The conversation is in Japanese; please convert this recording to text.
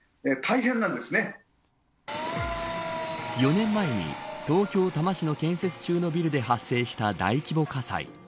４年前に、東京、多摩市の建設中のビルで発生した大規模火災。